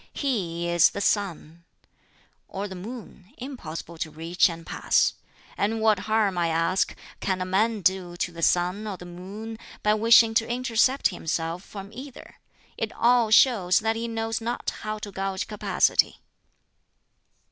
He is the sun, or the moon, impossible to reach and pass. And what harm, I ask, can a man do to the sun or the moon, by wishing to intercept himself from either? It all shows that he knows not how to gauge capacity."